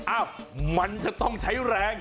อ้าวมันจะต้องใช้แรง